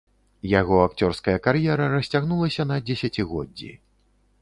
Яго акцёрская кар'ера расцягнулася на дзесяцігоддзі.